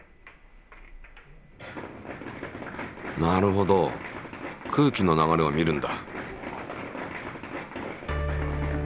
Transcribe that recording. なるほど空気の流れを見るんだ。